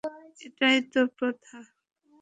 এটাই তো প্রথা?